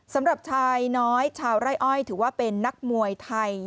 สำหรับชายน้อยชาวไร่อ้อยถือว่าเป็นนักมวยไทย